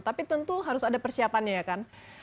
tapi tentu harus ada persiapannya ya kan